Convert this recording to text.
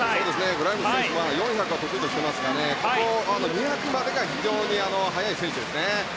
グライムズ選手４００を得意としていますが２００ｍまでが非常に速い選手です。